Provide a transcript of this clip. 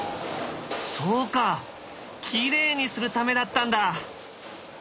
そうかきれいにするためだったんだ。